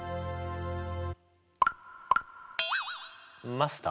マスター？